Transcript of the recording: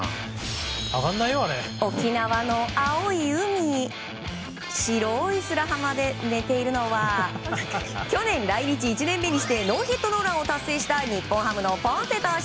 沖縄の青い海に白い砂浜で寝ているのは去年、来日１年目にしてノーヒットノーランを達成した日本ハムのポンセ投手。